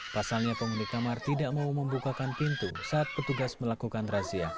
pasalnya penghuni kamar tidak mau membukakan pintu saat petugas melakukan razia